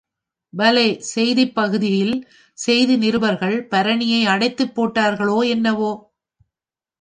பலே செய்தி ப் பகுதியில் செய்தி நிருபர்கள் பரணியை அடைத்துப் போட்டார்களோ என்னவோ?